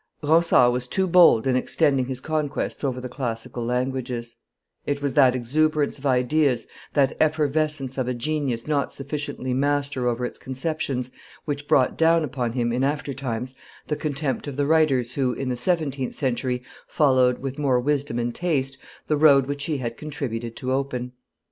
Ronsard was too bold in extending his conquests over the classical languages; it was that exuberance of ideas, that effervescence of a genius not sufficiently master over its conceptions, which brought down upon him, in after times, the contempt of the writers who, in the seventeenth century, followed, with more wisdom and taste, the road which he had contributed to open.